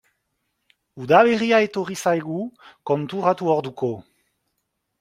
Udaberria etorri zaigu, konturatu orduko.